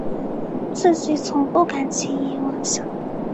自己从不敢轻易妄想